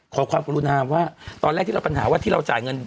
ขอความกรุณาว่าตอนแรกที่เราปัญหาว่าที่เราจ่ายเงิน